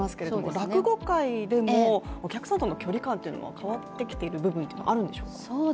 落語会でもお客さんとの距離感というのは変わってきている部分というのはあるんでしょうか？